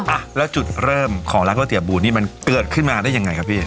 อ่ะแล้วจุดเริ่มของร้านก๋วเตี๋บูดนี่มันเกิดขึ้นมาได้ยังไงครับพี่